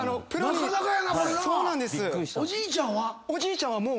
おじいちゃんは？